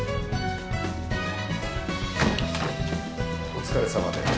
お疲れさまです。